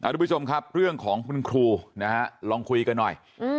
ทุกผู้ชมครับเรื่องของคุณครูนะฮะลองคุยกันหน่อย